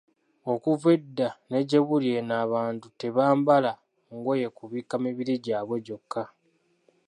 Okuva edda ne gyebuli eno abantu tebambala ngoye kubikka mibiri gyabwe gyokka.